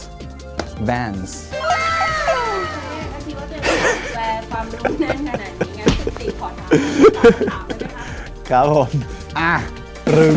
ก็คิดว่าเจนเป็นสายแฟร์ความรู้แน่นขนาดนี้